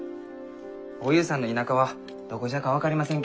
おゆうさんの田舎はどこじゃか分かりません